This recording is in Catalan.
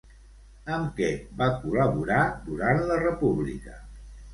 Amb què va col·laborar durant la República?